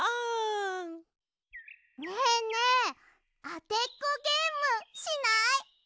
ねえねえあてっこゲームしない？